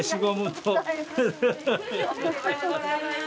ありがとうございます。